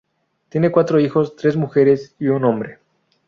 Tiene cuatro hijos; tres mujeres y un hombre.